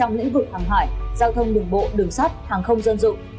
trong lĩnh vực hàng hải giao thông đường bộ đường sắt hàng không dân dụng